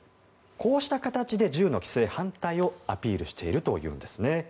こうした形で銃の規制反対をアピールしているというんです。